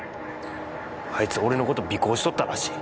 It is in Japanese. あいつ俺の事尾行しとったらしい。